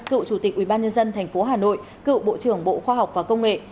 cựu chủ tịch ubnd tp hà nội cựu bộ trưởng bộ khoa học và công nghệ